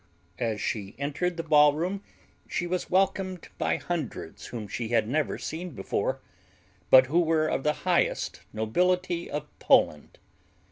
As she entered the ballroom she was welcomed by hundreds whom she had never seen before, but who were of the highest nobility of Poland.